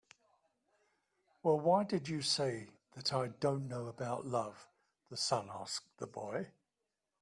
"Well, why did you say that I don't know about love?" the sun asked the boy.